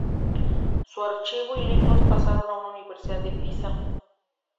Su archivo y libros pasaron a la Universidad de Pisa.